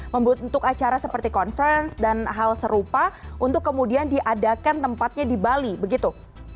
membentuk acara seperti conference dan hal serupa untuk kemudian diadakan tempatnya di bali begitu